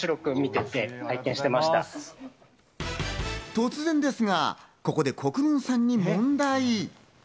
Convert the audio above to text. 突然ですがここで国分さんに問題。